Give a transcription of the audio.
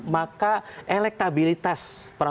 maka elektabilitas prabowo sandi itu juga bisa diangkat